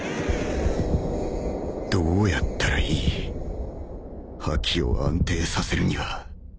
どうやったらいい？覇気を安定させるには